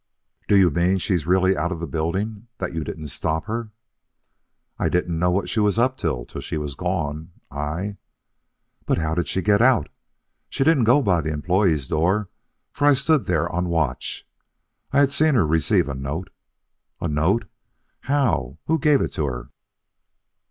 "Do you mean she's really out of the building that you didn't stop her " "I didn't know what she was up to, till she was gone. I " "But how did she get out? She didn't go by the employees' door for I stood there on the watch. I had seen her receive a note " "A note? How? Who gave it to her?"